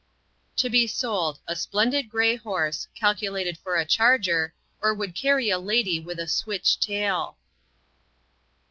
To be sold, a splendid gray horse, calculated for a charger, or would carry a lady with a switch tail.